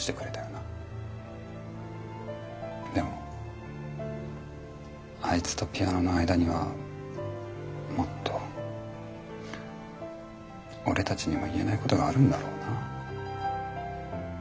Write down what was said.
でもあいつとピアノの間にはもっと俺たちにも言えないことがあるんだろうな。